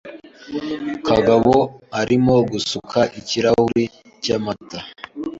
Kagabo arimo gusuka ikirahuri cyamata.